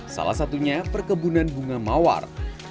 salah satunya perkebunan bunga mawar